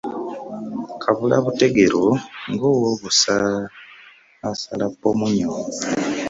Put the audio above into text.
Kabula butegero ng'owobusa asal ppomunnyo .